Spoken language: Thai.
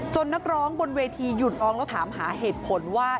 นักร้องบนเวทีหยุดร้องแล้วถามหาเหตุผลว่า